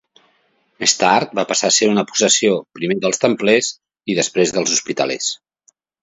Més tard va passar a ser una possessió primer dels Templers i després dels hospitalers.